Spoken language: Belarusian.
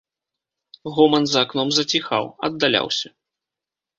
Гоман за акном заціхаў, аддаляўся.